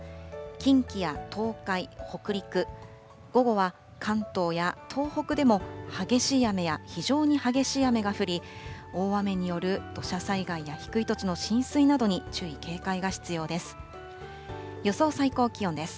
近畿や東海、北陸、午後は関東や東北でも激しい雨や非常に激しい雨が降り、大雨による土砂災害や低い土地の浸水などに注意、警戒が必要です。